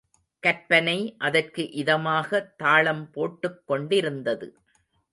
கற்பனை அதற்கு இதமாக தாளம் போட்டுக் கொண்டிருந்தது.